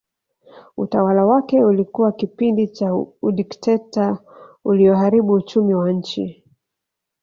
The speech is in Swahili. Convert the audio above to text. Utawala wake ulikuwa kipindi cha udikteta ulioharibu uchumi wa nchi